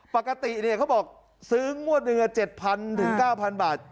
ปกติเขาบอกซื้องวดเงินเงิน๗๐๐๐๙๐๐๐บาท